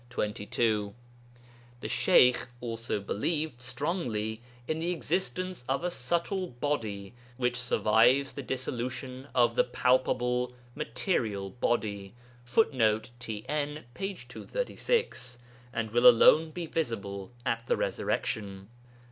22.] The Sheykh also believed strongly in the existence of a subtle body which survives the dissolution of the palpable, material body, [Footnote: TN, p. 236.] and will alone be visible at the Resurrection.